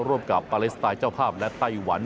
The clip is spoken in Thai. ร่วมกับปาเลสไตล์เจ้าภาพและไต้หวัน